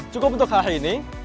cukup untuk hari ini